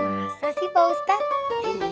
masa sih pak ustadz